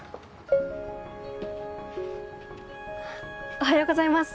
おはようございます。